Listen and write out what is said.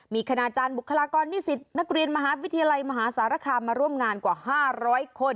มีคณาจารย์บุคลากรนิสิตนักเรียนมหาวิทยาลัยมหาสารคามมาร่วมงานกว่า๕๐๐คน